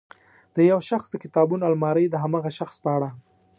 د یو شخص د کتابونو المارۍ د هماغه شخص په اړه.